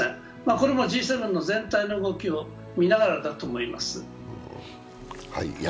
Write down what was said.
これもＧ７の全体の動きを見ながらだと思います。